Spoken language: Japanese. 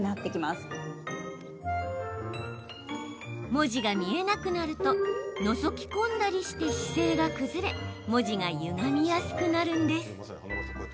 文字が見えなくなるとのぞき込んだりして姿勢が崩れ文字がゆがみやすくなるんです。